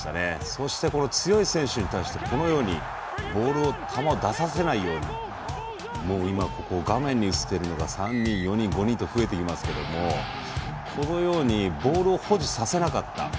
そして強い選手に対してこのようにボールを球を出させないように画面に映っているのが３人、４人、５人と増えていきますけどこのようにボールを保持させなかった。